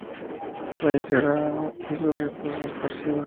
Fue incinerada, y sus restos esparcidos.